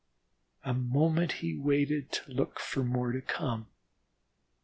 A moment he waited to look for more to come.